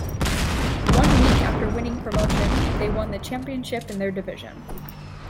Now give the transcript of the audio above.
One week after winning promotion, they won the championship in their division.